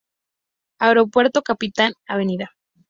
Aeropuerto Capitán Av.